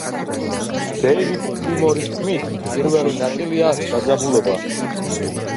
დეივიდ გილმორის თქმით, პირველი ნაწილია დაძაბულობა.